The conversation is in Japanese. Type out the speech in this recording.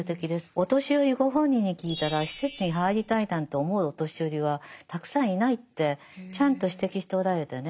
お年寄りご本人に聞いたら施設に入りたいなんて思うお年寄りはたくさんいないってちゃんと指摘しておられてね。